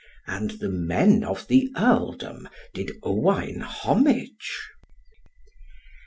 And the men of the Earldom did Owain homage.